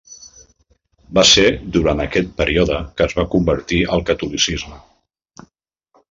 Va ser durant aquest període que es va convertir al catolicisme.